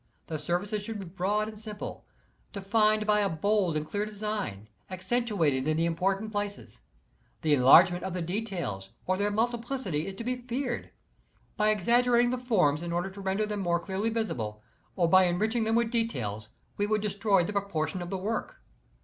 The surfaces should be broad and simple, defined by a bold and clear design, accentuated in the important places. The enlargement of the details or their multiplicity is to be feared. By exaggerating the forms, in order to render them more clearly visible, or by enriching them with details, we would destroy the proportion of the work.